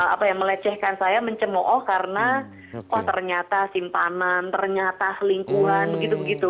apa ya melecehkan saya mencemooh karena oh ternyata simpanan ternyata lingkungan begitu begitu